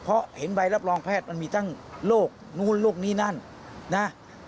เพราะเห็นใบรับรองแพทย์มันมีตั้งโรคนู่นโรคนี่นั่นนะ